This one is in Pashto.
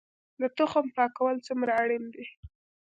د تخم پاکول څومره اړین دي؟